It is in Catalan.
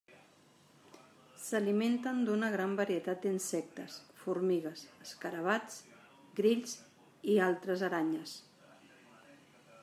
S'alimenten d'una gran varietat d'insectes: formigues, escarabats, grills i altres aranyes.